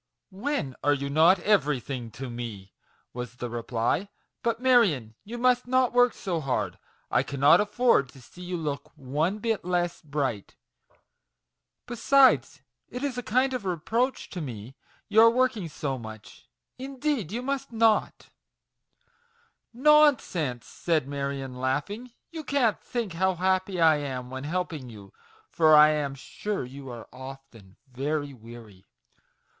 "When are you not everything to me?" was the reply. " But, Marion, you must not work so hard ; I cannot afford to see you look one bit less bright. Besides, it is a kind of reproach to me your working so much ; indeed you must not \" "Nonsense!" said Marion, laughing ; "you can't think how happy I am when helping you, for I am sure you are often very weary